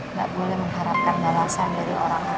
nggak boleh mengharapkan balasan dari orang lain